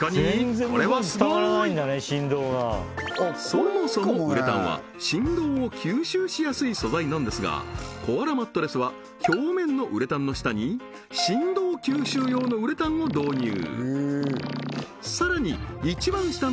そもそもウレタンは振動を吸収しやすい素材なんですがコアラマットレスは表面のウレタンの下に振動吸収用のウレタンを導入